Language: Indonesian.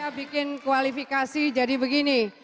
kita bikin kualifikasi jadi begini